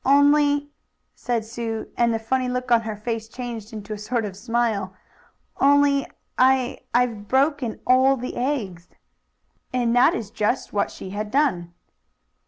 Only," said Sue, and the funny look on her face changed into a sort of smile, "only I I've broken all the eggs!" And that is just what she had done.